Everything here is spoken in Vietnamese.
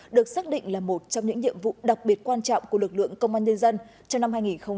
được xác định là một trong những nhiệm vụ đặc biệt quan trọng của lực lượng công an nhân dân trong năm hai nghìn hai mươi ba